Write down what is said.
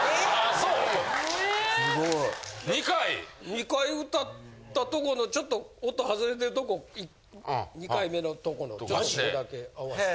２回歌ったとこのちょっと音外れてるとこ２回目のとこのとそこだけ合わしたり。